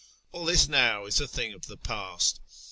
All this now is a thing of the past.